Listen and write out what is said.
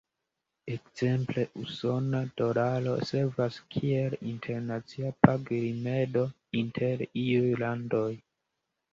Ekzemple, usona dolaro servas kiel internacia pag-rimedo inter iuj landoj.